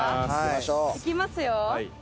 いきますよ。